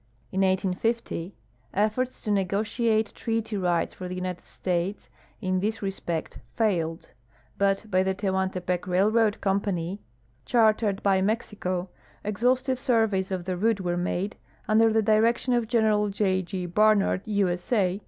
In 1850 efforts to negotiate treaty rights for the United States in this respect failed ; but by the Tehuantepec Railroad Company, chartered l)y Mexico, exhaust ive surveys of the route were made, under the direction of Gen. J. G. Barnard, U. S. A.